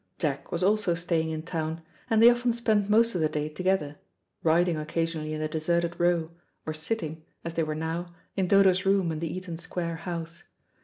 Jack was also staying in town, and they often spent most of the day together; riding occasionally in the deserted Row, or sitting, as they were now, in Dodo's room in the Eaton Square house.